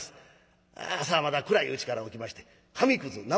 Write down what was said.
朝はまだ暗いうちから起きまして紙くず縄